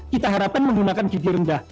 kita harapkan menggunakan gigi rendah